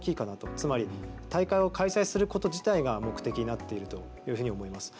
つまり大会を開催すること自体が目的になっているというふうに思います。